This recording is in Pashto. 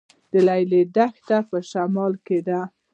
د لیلی دښته په شمال کې ده